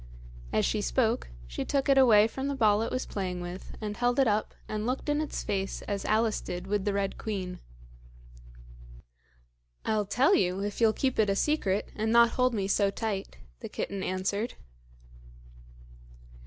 As she spoke, she took it away from the ball it was playing with, and held it up and looked in its face as Alice did with the Red Queen. "I'll tell you, if you'll keep it a secret, and not hold me so tight," the kitten answered.